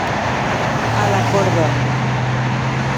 A la corda.